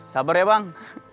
sabar ya bang